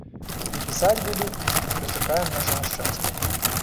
І пісаць буду, і прычакаем нашага шчасця.